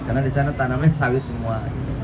karena di sana tanamnya sawit semua